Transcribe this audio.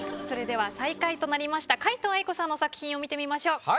それでは最下位となりました皆藤愛子さんの作品を見てみましょう。